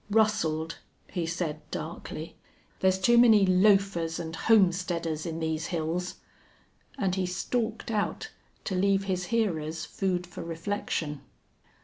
"Rustled," he said, darkly. "There's too many loafers and homesteaders in these hills!" And he stalked out to leave his hearers food for reflection.